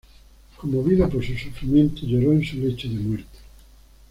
Conmovido por su sufrimiento, lloró en su lecho de muerte.